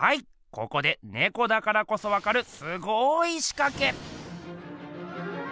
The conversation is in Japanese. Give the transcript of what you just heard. ここでねこだからこそわかるすごいしかけ！